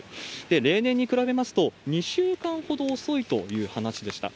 例年に比べますと、２週間ほど遅いという話でした。